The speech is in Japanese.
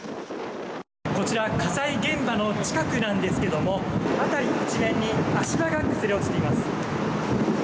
こちら火災現場の近くなんですが辺り一面に足場が崩れ落ちています。